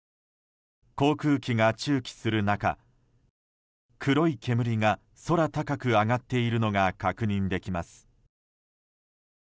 航空機が駐機する中黒い煙が空高く上がっているのが確認できます。